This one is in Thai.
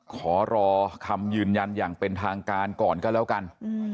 ขอรอคำยืนยันอย่างเป็นทางการก่อนก็แล้วกัน